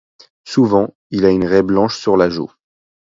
Souvent, il a une raie blanche sur la joue.